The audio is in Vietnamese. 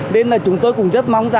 nên là chúng tôi cũng rất mong